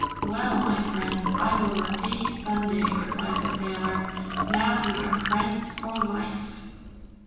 "Well, my friends, I will repay you some day," replied the sailor. "Now we are friends for life."